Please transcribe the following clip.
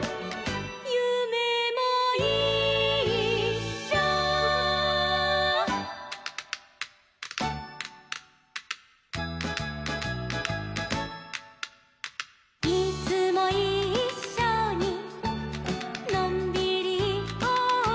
「ゆめもいっしょ」「いつもいっしょにのんびりいこうよ」